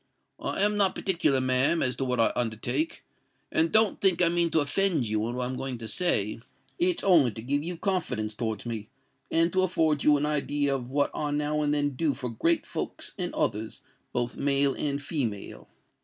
I am not particular, ma'am, as to what I undertake; and don't think I mean to offend you in what I'm going to say—it's only to give you confidence towards me, and to afford you an idea of what I now and then do for great folks and others, both male and female.